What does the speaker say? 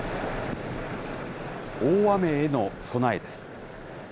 大雨への備えです。